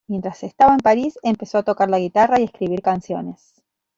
Mientras estaba en París, empezó a tocar la guitarra y escribir canciones.